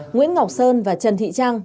nguyễn ngọc sơn và trần thị trang